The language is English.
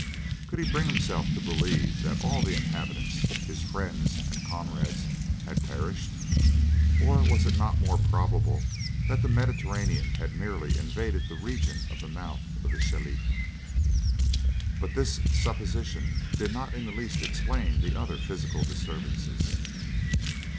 Could he bring himself to believe that all the inhabitants, his friends, and comrades had perished; or was it not more probable that the Mediterranean had merely invaded the region of the mouth of the Shelif? But this supposition did not in the least explain the other physical disturbances.